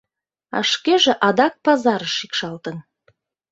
А шкеже адак пазарыш шикшалтын.